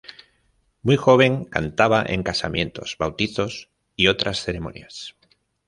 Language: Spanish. Muy joven cantaba en casamientos, bautizos y otras ceremonias.